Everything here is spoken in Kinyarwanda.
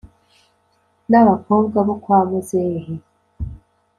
nabakobwa bo kwa muzehe